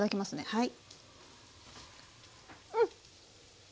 はい。